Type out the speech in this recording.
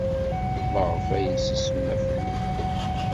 Maɣef ay as-isemma fell-i?